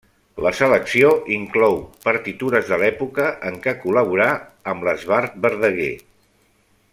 La selecció inclou partitures de l'època en què col·laborà amb l'Esbart Verdaguer.